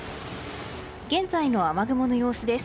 現在の雨雲の様子です。